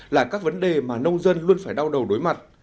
là các vấn đề mà nông dân luôn phải đau đầu đối mặt